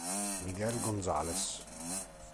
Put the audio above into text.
Miguel González